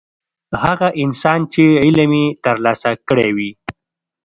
هغه انسان چې علم یې ترلاسه کړی وي.